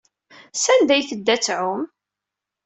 Sanda ay tedda ad tɛum?